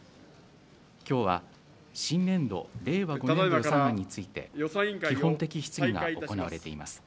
きょうは、新年度・令和５年度予算案について、基本的質疑が行われています。